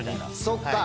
そっか。